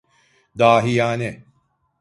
Dahiyane.